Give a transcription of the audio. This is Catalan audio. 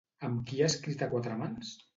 Amb qui ha escrit a quatre mans?